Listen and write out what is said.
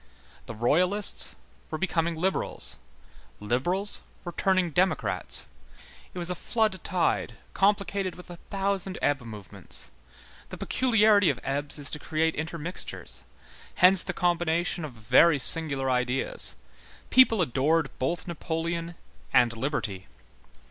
The Royalists were becoming liberals, liberals were turning democrats. It was a flood tide complicated with a thousand ebb movements; the peculiarity of ebbs is to create intermixtures; hence the combination of very singular ideas; people adored both Napoleon and liberty.